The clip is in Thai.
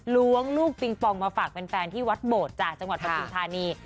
ล้วงลูกปลิงปองมาฝากแฟนที่วัดโบสถ์จังหวัดประคิศทานี